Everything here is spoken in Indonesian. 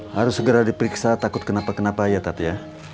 harus segera diperiksa takut kenapa kenapa ya tat ya